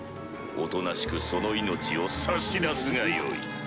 おとなしくその命を差し出すがよい。